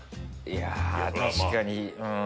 いや確かに。